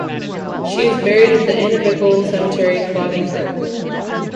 She is buried at the Annabichl cemetery in Klagenfurt.